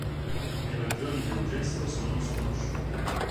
Le ragioni del gesto sono sconosciute.